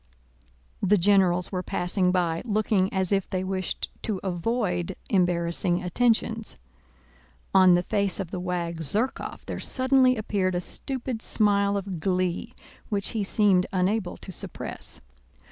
The generals were passing by, looking as if they wished to avoid embarrassing attentions. On the face of the wag Zherkóv there suddenly appeared a stupid smile of glee which he seemed unable to suppress.